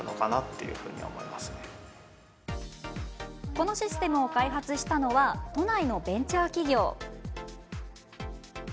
このシステムを開発したのは都内のベンチャー企業。